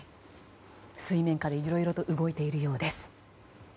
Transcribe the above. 水面下でいろいろと動いているようです。